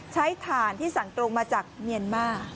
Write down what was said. ถ่านที่สั่งตรงมาจากเมียนมาร์